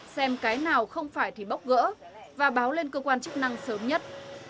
xem cái nào không phải thì bóc gỡ và báo lên cơ quan chức năng sớm nhất